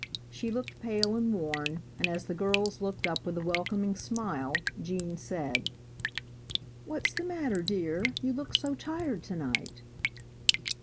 She looked pale and worn, and as the girls looked up with a welcoming smile, Gene said, "What's the matter, dear, you look so tired to night."